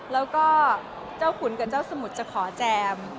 แล้วก็เจ้าขุนกับเจ้าสมุทรจะขอแจม